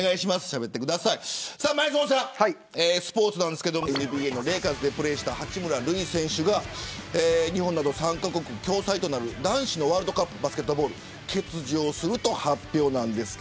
前園さん、スポーツですがＮＢＡのレイカーズでプレーした八村塁選手が日本など３カ国共催となる男子のワールドカップを欠場すると発表しました。